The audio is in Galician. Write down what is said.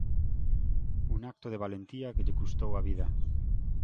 Un acto de valentía que lle custou a vida.